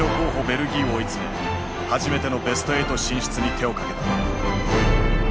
ベルギーを追い詰め初めてのベスト８進出に手をかけた。